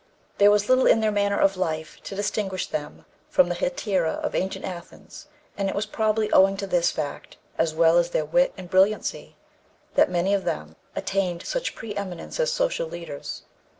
There was little in their manner of life to distinguish them from the hetæræ of ancient Athens, and it was probably owing to this fact, as well as their wit and brilliancy, that many of them attained such preëminence as social leaders.